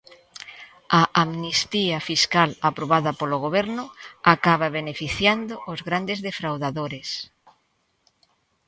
A amnistía fiscal aprobada polo Goberno acaba beneficiando os grandes defraudadores.